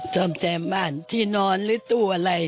ซ่อมแซมบ้านที่นอนหรือตู้อะไร